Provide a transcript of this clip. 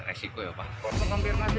resiko ya pak